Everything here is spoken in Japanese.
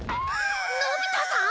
のび太さん！？